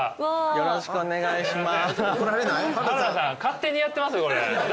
よろしくお願いします。